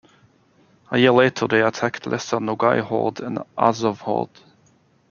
A year later they attacked Lesser Nogai Horde and Azov Horde.